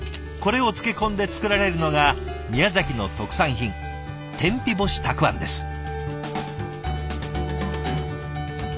これを漬け込んで作られるのが宮崎の特産品天日干したくあんです。